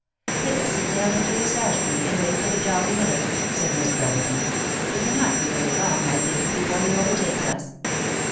" Let us sit down under this ash tree, and wait for the jolly miller," said Miss Brotherton, " it cannot be very long, I think, before he overtakes us."